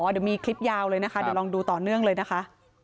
เดี๋ยวมีคลิปยาวเลยนะคะเดี๋ยวลองดูต่อเนื่องเลยนะคะ